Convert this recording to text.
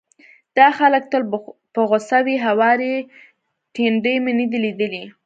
دا خلک تل په غوسه وي، هوارې ټنډې مې نه دي ليدلې،